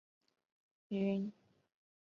石晓云南大理人。